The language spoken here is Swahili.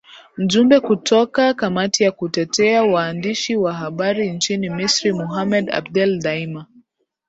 mjumbe kutoka kamati ya kutetea waandishi wa habari nchini misri mohamed abdel daima